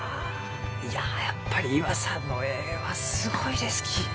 いややっぱり岩さんの絵はすごいですき。